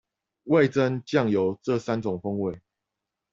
味噌、醬油這三種風味